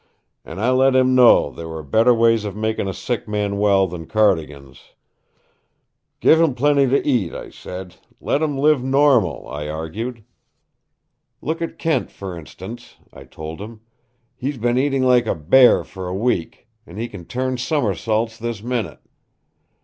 And I let him know there were better ways of making a sick man well than Cardigan's. 'Give them plenty to eat,' I said. 'Let 'em live normal,' I argued. 'Look at Kent, for instance,' I told him. 'He's been eating like a bear for a week, and he can turn somersaults this minute!'